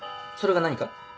それが何か？